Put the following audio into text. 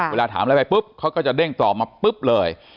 เวลาถามอะไรไปปุ๊บเขาก็จะเด้งตอบมาปุ๊บเลย